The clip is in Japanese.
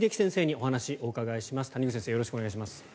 よろしくお願いします。